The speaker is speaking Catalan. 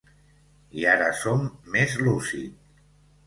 I ara som més lúcid!